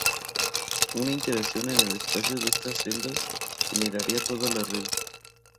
Una iteración en el espacio de estas celdas generaría toda la red.